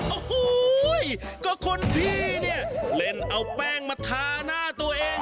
โอ้โหก็คุณพี่เนี่ยเล่นเอาแป้งมาทาหน้าตัวเอง